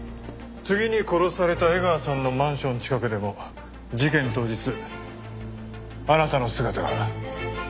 次に殺された江川さんのマンション近くでも事件当日あなたの姿が。